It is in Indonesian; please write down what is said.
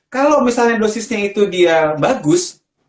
kalau misalnya dosisnya itu dia bagus